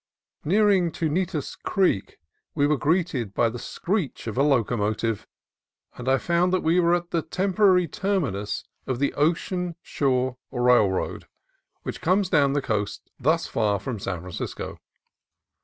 Nearing Tunitas Creek, we were greeted by the screech of a loco motive, and I found that we were at the temporary terminus of the Ocean Shore Railroad, which comes down the coast thus far from San Francisco.